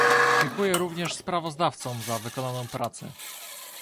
Dziękuję również sprawozdawcom za wykonaną pracę